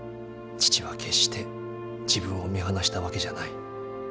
父は決して自分を見放したわけじゃない。